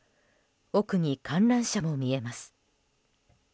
奥に観覧車も見えます。